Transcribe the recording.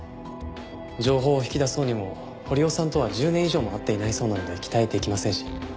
情報を引き出そうにも堀尾さんとは１０年以上も会っていないそうなので期待できませんし。